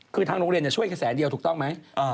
คือทางโรงเรียนช่วยแค่แสนเดียวถูกต้องไหม